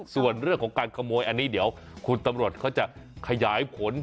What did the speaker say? ส่วนเรื่องของการขโมยอันนี้เดี๋ยวคุณตำรวจเขาจะขยายผล